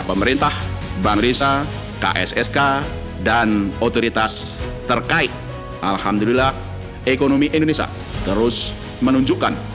pemerintah bank risa kssk dan otoritas terkait alhamdulillah ekonomi indonesia terus menunjukkan